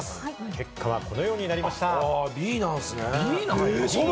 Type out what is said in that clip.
結果はこのようになりました。